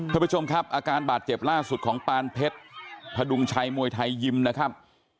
ท่านผู้ชมครับอาการบาดเจ็บล่าสุดของปานเพชรพดุงชัยมวยไทยยิมนะครับ